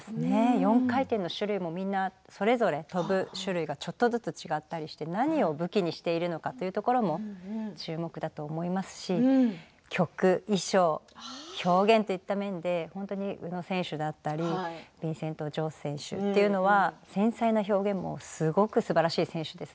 ４回転の種類もそれぞれ跳ぶ種類がちょっとずつ違ったりして何を武器にしているのかというところも注目だと思いますし曲、衣装、表現といった面で宇野選手だったりビンセント・ジョウ選手というのは繊細な表現もすごくすばらしい選手です。